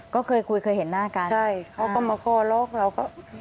ก็เคยคุยเคยเห็นหน้ากันใช่เขาก็มาคอล็อกเราก็